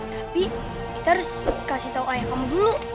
tapi kita harus kasih tau ayah kamu dulu